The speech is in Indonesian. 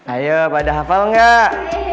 ayo pada hafal enggak